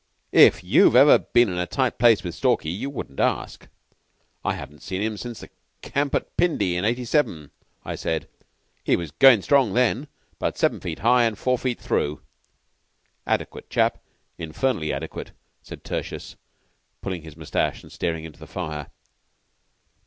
"If you've ever been in a tight place with Stalky you wouldn't ask." "I haven't seen him since the camp at Pindi in '87," I said. "He was goin' strong then about seven feet high and four feet through." "Adequate chap. Infernally adequate," said Tertius, pulling his mustache and staring into the fire.